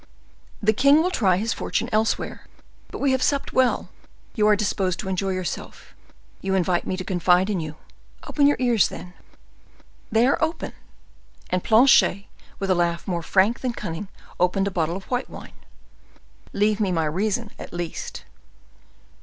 "The king will try his fortune elsewhere. But we have supped well, you are disposed to enjoy yourself; you invite me to confide in you. Open your ears, then." "They are open." And Planchet, with a laugh more frank than cunning, opened a bottle of white wine. "Leave me my reason, at least."